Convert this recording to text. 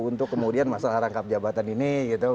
untuk kemudian masalah rangkap jabatan ini gitu